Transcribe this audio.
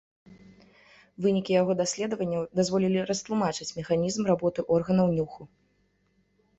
Вынікі яго даследаванняў дазволілі растлумачыць механізм работы органаў нюху.